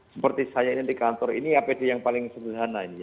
seperti saya ini di kantor ini apd yang paling sederhana ini